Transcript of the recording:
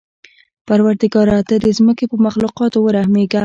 پروردګاره! ته د ځمکې په مخلوقاتو ورحمېږه.